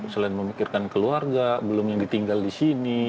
selain memikirkan keluarga belum yang ditinggal di sini